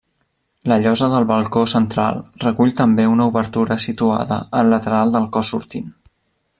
La llosa del balcó central recull també una obertura situada al lateral del cos sortint.